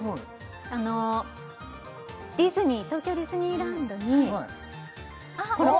あのディズニー東京ディズニーランドにああこちら？